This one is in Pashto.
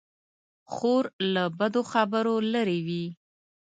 خور له بدو خبرو لیرې وي.